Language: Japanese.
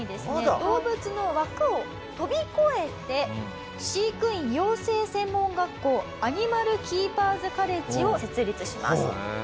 動物の枠を飛び越えて飼育員養成専門学校アニマルキーパーズカレッジを設立します。